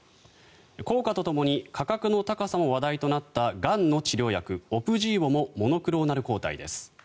効果とともに価格の高さも話題になったがんの治療薬オプジーボもモノクローナル抗体です。